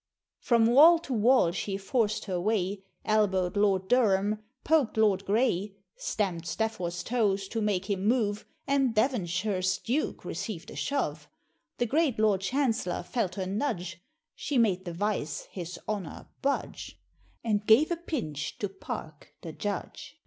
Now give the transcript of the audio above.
From wall to wall she forced her way, Elbowed Lord Durham poked Lord Grey Stamped Stafford's toes to make him move, And Devonshire's Duke received a shove; The great Lord Chancellor felt her nudge, She made the Vice, his Honor, budge, And gave a pinch to Park, the judge.